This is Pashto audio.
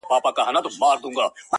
خلک ورو ورو له ظالم سره روږدیږي -